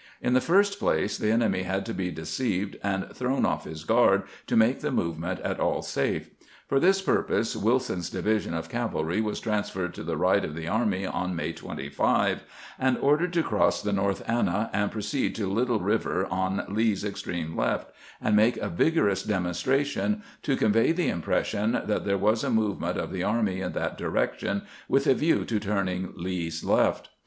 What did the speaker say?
In the first place, the enemy had to be deceived and thrown off his guard to make the movement at all safe. For this purpose Wilson's division of cavalry was transferred to the right of the army on May 25, and ordered to cross the North Anna and proceed to Little Eiver on Lee's 150 CAMPAIGNING WITH GEANT extreme left, and make a vigorous demonstration, to convey the impression that there was a movement of the army in that direction with a view to turning Lee's left.